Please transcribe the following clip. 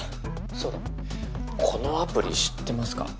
そうだこのアプリ知ってますか？